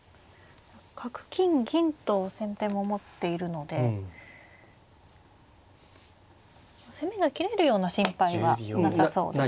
角金銀と先手も持っているので攻めが切れるような心配はなさそうですね。